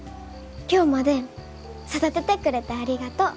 今日まで育ててくれてありがとう。